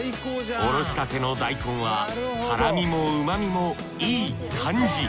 おろしたての大根は辛味も旨みもいい感じ。